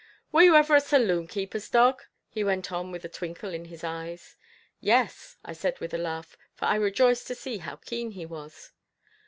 "Were you ever a saloon keeper's dog?" he went on with a twinkle in his dark eyes. "Yes," I said with a laugh, for I rejoiced to see how keen he was.